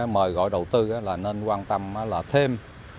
mời gọi đầu tư là nên quan tâm thêm